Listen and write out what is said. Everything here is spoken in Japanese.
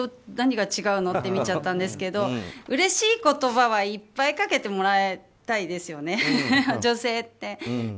何が違うの？って見ちゃったんですけどうれしい言葉はいっぱいかけてもらいたいですよね女性って。